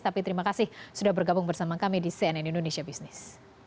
tapi terima kasih sudah bergabung bersama kami di cnn indonesia business